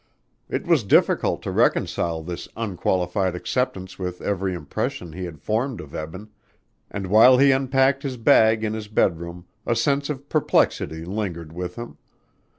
It was difficult to reconcile this unqualified acceptance with every impression he had formed of Eben, and while he unpacked his bag in his bedroom a sense of perplexity lingered with him.